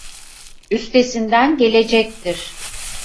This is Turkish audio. Üstesinden gelecektir.